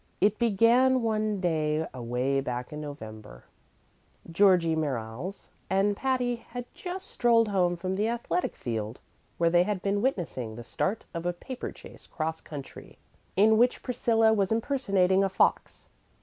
It began one day away back in November. Georgie Merriles and Patty had just strolled home from the athletic field, where they had been witnessing the start of a paper chase cross country, in which Priscilla was impersonating a fox.